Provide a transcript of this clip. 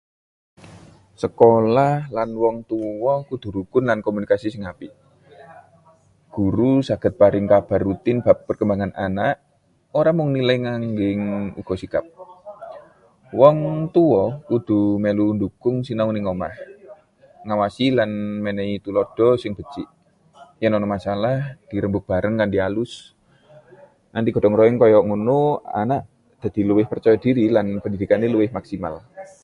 Sekolah lan wong tuwa kudu rukun lan komunikasi sing apik. Guru saged paring kabar rutin bab perkembangan anak, ora mung nilai nanging uga sikap. Wong tuwa uga melu ndhukung sinau ing omah, ngawasi lan menehi tulada sing becik. Yen ana masalah, dirembug bareng kanthi alus. Kanthi gotong royong kaya ngono, anak dadi luwih percaya diri lan pendhidhikane luwih maksimal.